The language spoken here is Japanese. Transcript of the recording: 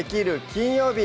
金曜日」